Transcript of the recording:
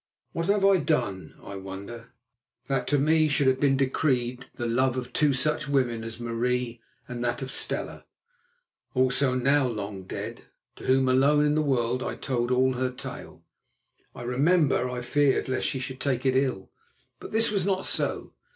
What have I done, I wonder, that to me should have been decreed the love of two such women as Marie and that of Stella, also now long dead, to whom alone in the world I told all her tale? I remember I feared lest she should take it ill, but this was not so.